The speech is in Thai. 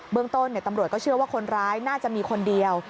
เมืองต้นตำรวจก็เชื่อว่าคนร้ายน่าจะมีคนเดียว